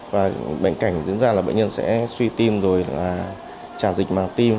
và bệnh cảnh diễn ra là bệnh nhân sẽ suy tim rồi là trả dịch màu tim